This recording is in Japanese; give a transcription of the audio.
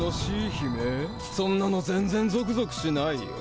そんなの全ぜんゾクゾクしないよ。